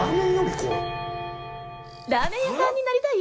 ラーメン屋さんになりたい？